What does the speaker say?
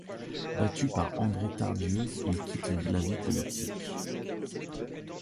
Battu par André Tardieu, il quitte la vie politique.